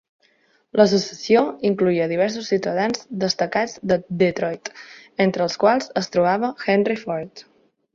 L'Associació incloïa diversos ciutadans destacats de Detroit, entre els quals es trobava Henry Ford.